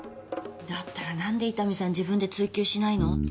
だったら何で伊丹さん自分で追求しないの？